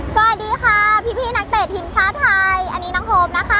สวัสดีค่ะพี่นักเตะทีมชาติไทยอันนี้น้องโฮมนะคะ